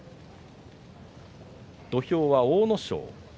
土俵は阿武咲。